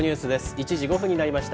１時５分になりました。